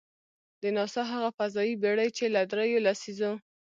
د ناسا هغه فضايي بېړۍ، چې له درېیو لسیزو .